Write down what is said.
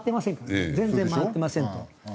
全然回ってませんと。